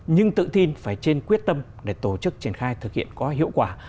nhưng tự tin phải trên quyết tâm để tổ chức triển khai thực hiện có hiệu quả